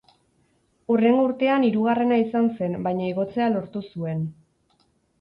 Hurrengo urtean hirugarrena izan zen baina igotzea lortu zuen.